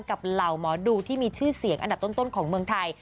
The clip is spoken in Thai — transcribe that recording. เหล่าหมอดูที่มีชื่อเสียงอันดับต้นของเมืองไทย